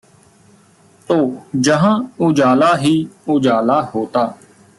ਤੋ ਜਹਾਂ ਉਜਾਲਾ ਹੀ ਉਜਾਲਾ ਹੋਤਾ